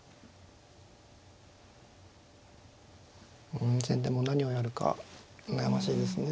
うん先手も何をやるか悩ましいですね。